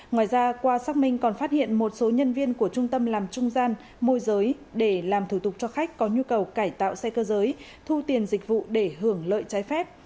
ngoài ra qua xác minh còn phát hiện một số nhân viên của trung tâm làm trung gian môi giới để làm thủ tục cho khách có nhu cầu cải tạo xe cơ giới thu tiền dịch vụ để hưởng lợi trái phép